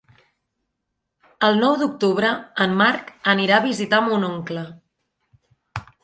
El nou d'octubre en Marc anirà a visitar mon oncle.